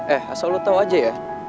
eh asal lo tau aja ya